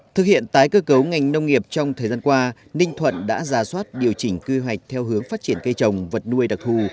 thực hiện tái cơ cấu ngành nông nghiệp trong thời gian qua ninh thuận đã ra soát điều chỉnh quy hoạch theo hướng phát triển cây trồng vật nuôi đặc thù